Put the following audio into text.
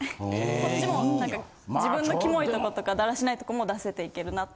こっちもなんか自分のキモいとことかだらしない所も出せていけるなって。